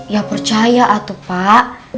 ya percaya atu pak